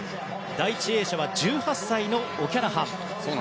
第１泳者は１８歳のオキャラハン。